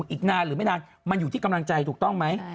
อีกนานหรือไม่นานมันอยู่ที่กำลังใจถูกต้องไหม